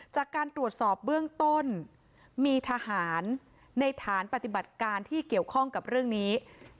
จากการตรวจสอบเบื้องต้นมีทหารในฐานปฏิบัติการที่เกี่ยวข้องกับเรื่องนี้